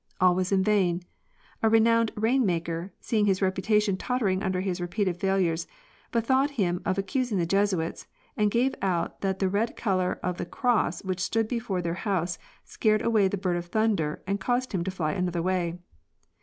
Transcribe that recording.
All was in vain. A re nowned " rain maker," seeing his reputation tottering under his repeated failures, bethought him of accusing the Jesuits, and gave out that the red color of the cross which stood before their house scared away the bird of thunder and caused him to fly another way.